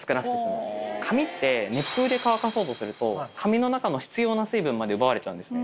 髪って熱風で乾かそうとすると髪の中の必要な水分まで奪われちゃうんですね。